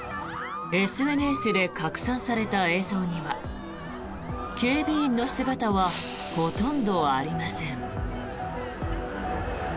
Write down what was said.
ＳＮＳで拡散された映像には警備員の姿はほとんどありません。